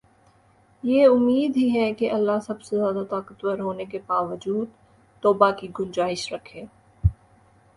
یہ امید ہی ہے کہ اللہ سب سے زیادہ طاقتور ہونے کے باوجود توبہ کی گنجائش رکھے